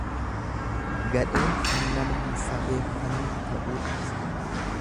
Gadheen kan nama hin safeeffanne ta'uu ibsa.